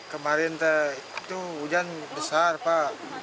kemarin itu hujan besar pak